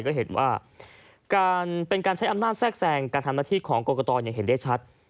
ก็เห็นว่าการเป็นการใช้อำนาจแทรกแทรงการทำหน้าที่ของกรกตอย่างเห็นได้ชัด